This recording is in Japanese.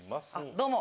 どうも！